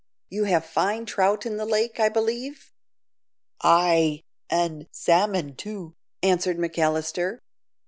You have fine trout in the lake, I believe?" "Ay, an' salmon too," answered McAllister.